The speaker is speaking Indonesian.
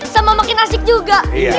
sama makin asik juga